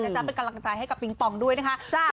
จ๊ะเป็นกำลังใจให้กับปิงปองด้วยนะคะ